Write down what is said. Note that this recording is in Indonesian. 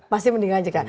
pasti meninggalkan jejak